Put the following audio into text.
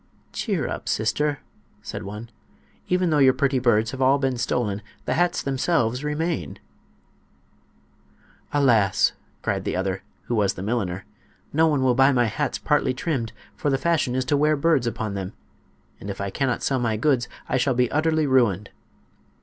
"Cheer up, sister," said one. "Even though your pretty birds have all been stolen the hats themselves remain." "Alas!" cried the other, who was the milliner, "no one will buy my hats partly trimmed, for the fashion is to wear birds upon them. And if I cannot sell my goods I shall be utterly ruined."